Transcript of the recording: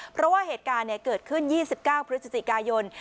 เพราะว่าเหตุการณ์เกิดขึ้น๒๙พฤศจิกายน